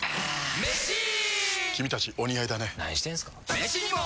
メシにも！